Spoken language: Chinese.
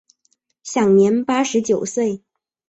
享年八十九岁。